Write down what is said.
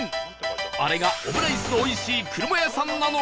あれがオムライスのおいしい車屋さんなのか？